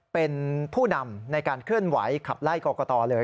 เป็นผู้นำในการเคลื่อนไหวขับไล่กรกตเลย